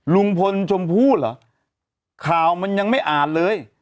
ลุงพลชมพู่เหรอข่าวมันยังไม่อ่านเลย